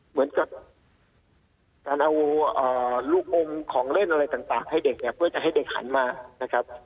เหมือนกับการเอาลูกอมของเล่นอะไรต่างให้เด็กเนี่ยเพื่อจะให้เด็กหันมานะครับ